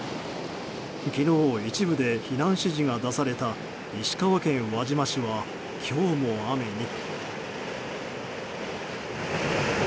昨日、一部で避難指示が出された石川県輪島市は今日も雨に。